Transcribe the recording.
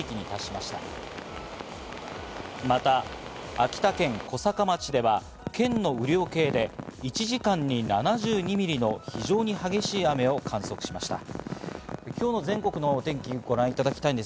また、秋田県小坂町では県の雨量計で１時間に７２ミリの非常に激しい雨を観測しました。